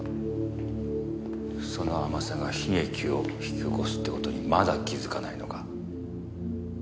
その甘さが悲劇を引き起こすって事にまだ気づかないのか？